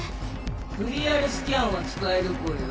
クリアルスキャンはつかえるぽよ？